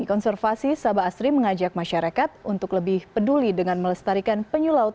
konservasi sabah asri mengajak masyarakat untuk lebih peduli dengan melestarikan penyu laut